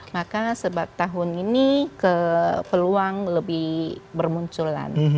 maka sebab tahun ini peluang lebih bermunculan